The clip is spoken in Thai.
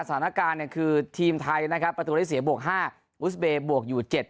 สถานการณ์เนี่ยคือทีมไทยนะครับประตูได้เสียบวก๕อุสเบย์บวกอยู่๗